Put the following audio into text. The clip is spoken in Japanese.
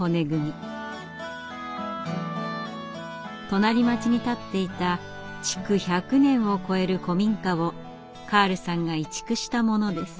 隣町に建っていた築１００年を超える古民家をカールさんが移築したものです。